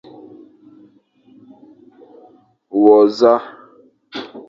We nẑa ?